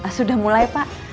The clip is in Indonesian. sudah mulai pak